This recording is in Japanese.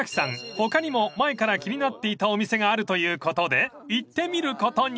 他にも前から気になっていたお店があるということで行ってみることに］